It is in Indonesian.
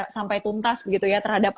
sampai tuntas begitu ya terhadap